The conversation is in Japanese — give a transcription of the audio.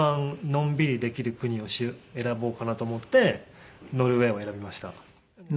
のんびりできる国を選ぼうかなと思ってノルウェーを選びました。